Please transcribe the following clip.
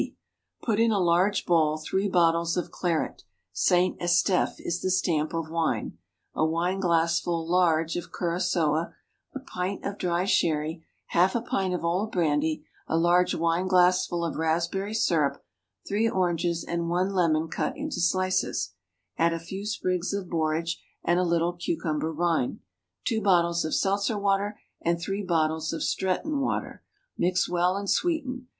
C. Put in a large bowl three bottles of claret (St. Estephe is the stamp of wine), a wine glassful (large) of curaçoa, a pint of dry sherry, half a pint of old brandy, a large wine glassful of raspberry syrup, three oranges and one lemon cut into slices; add a few sprigs of borage and a little cucumber rind, two bottles of seltzer water, and three bottles of Stretton water. Mix well, and sweeten.